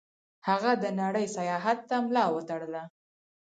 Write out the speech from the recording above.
هغه د نړۍ سیاحت ته ملا وتړله.